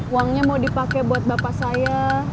uangnya mau dipakai buat bapak saya